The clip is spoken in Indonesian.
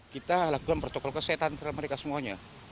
kita lakukan protokol kesehatan antara mereka semuanya